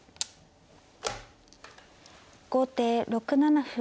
後手６七歩。